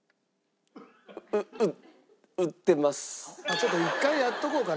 ちょっと１回やっておこうかな。